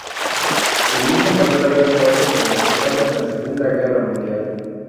El hijo mayor había muerto como soldado en la Segunda Guerra Mundial.